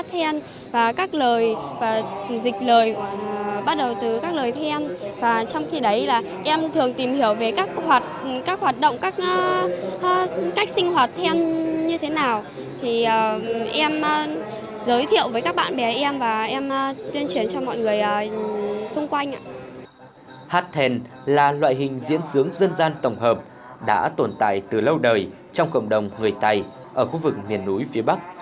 hát thèn là loại hình diễn xướng dân gian tổng hợp đã tồn tại từ lâu đời trong cộng đồng người tây ở khu vực miền núi phía bắc